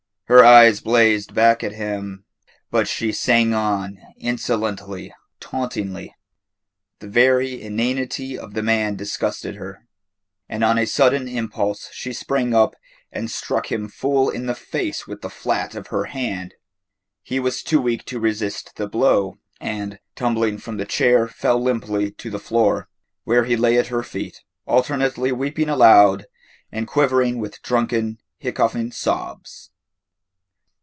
Her eyes blazed back at him, but she sang on insolently, tauntingly. The very inanity of the man disgusted her, and on a sudden impulse she sprang up and struck him full in the face with the flat of her hand. He was too weak to resist the blow, and, tumbling from the chair, fell limply to the floor, where he lay at her feet, alternately weeping aloud and quivering with drunken, hiccoughing sobs.